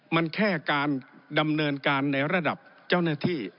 มันแค่การดำเนินการในระดับเจ้าหน้าที่